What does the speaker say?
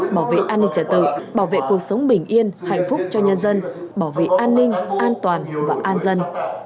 bảo vệ an ninh trả tự bảo vệ cuộc sống bình yên hạnh phúc cho nhân dân bảo vệ an ninh an toàn và an dân